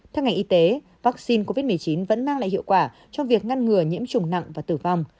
theo ngành y tế vaccine covid một mươi chín vẫn mang lại hiệu quả trong việc ngăn ngừa nhiễm trùng nặng và tử vong